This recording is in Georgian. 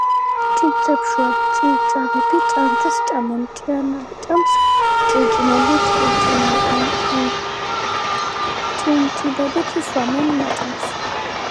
ჭინჭრებშუა ჭივჭავები ჭანჭურს ჭამენ, ჭიანაჭამს ჭრიჭინები ჭრიჭინებენ ჭინჭილებით სვამენ მაჭარს